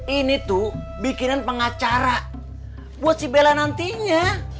ini tuh bikinan pengacara buat si bella nantinya